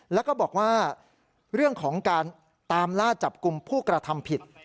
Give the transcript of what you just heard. แล้วก็บอกว่าเรื่องของการตามล่าจับกลุ่มผู้กระทำผิด